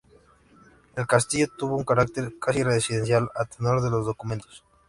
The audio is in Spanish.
El castillo tuvo un carácter casi residencial a tenor de los documentos.